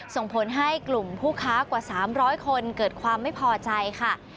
ส่งผลให้กลุ่มผู้ค้ากว่า๓๐๐คนเกิดความไม่พอใจค่ะ